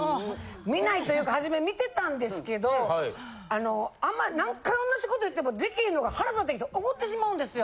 見ないというか初め見てたんですけどあんまり何回同じこと言っても出来へんのが腹立ってきて怒ってしまうんですよ。